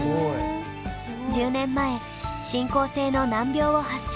１０年前進行性の難病を発症。